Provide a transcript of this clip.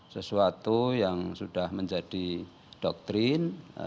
sesuatu yang sudah menjadi doktrin